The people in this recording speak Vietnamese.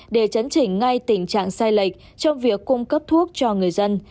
để chấn chỉnh ngay tình trạng sai lệch trong việc cung cấp thuốc cho người dân